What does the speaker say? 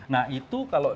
nah itu kalau